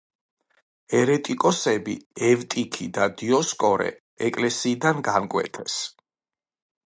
ერეტიკოსები ევტიქი და დიოსკორე ეკლესიიდან განკვეთეს.